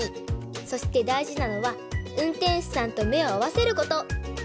そしてだいじなのはうんてんしゅさんとめをあわせること！